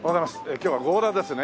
今日は強羅ですね。